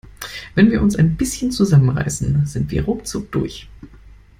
Wenn wir uns ein bisschen zusammen reißen, sind wir ruckzuck durch.